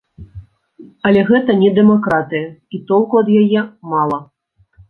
Але гэта не дэмакратыя і толку ад яе мала.